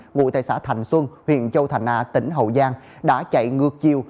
ngụ tại xã thành xuân huyện châu thành a tỉnh hậu giang đã chạy ngược chiều